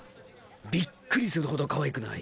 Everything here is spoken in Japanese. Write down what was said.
びっくりするほどかわいくない。